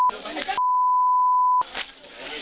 ห้ามเย็มเหล็ก